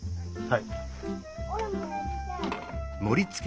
はい。